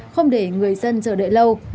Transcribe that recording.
không để người dân chờ đợi lâu